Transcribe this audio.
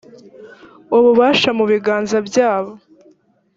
ububasha mu biganza byabo